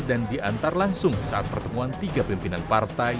dan diantar langsung saat pertemuan tiga pimpinan partai